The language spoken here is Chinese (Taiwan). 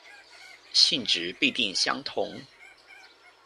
性質必定相同